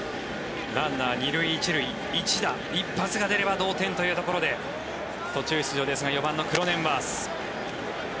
ランナー２塁１塁１打、一発が出れば同点というところで途中出場ですが４番のクロネンワース。